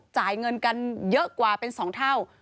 จ่ายเงินกันเยอะกว่าเป็น๒เท่า